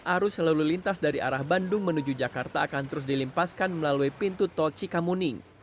arus lalu lintas dari arah bandung menuju jakarta akan terus dilimpaskan melalui pintu tol cikamuning